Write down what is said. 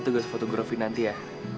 tugas fotografi nanti ya